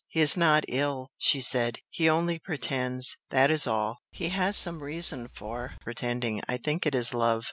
"He is not ill" she said "He only pretends! That is all! He has some reason for pretending. I think it is love!"